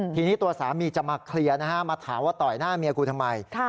ทีนี้ตัวสามีจะมาเคลียร์นะฮะมาถามว่าต่อยหน้าเมียกูทำไม